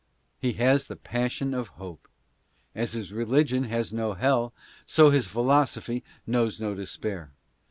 He has the passion of hope. As his religion has no hell, so his philosophy knows no despair.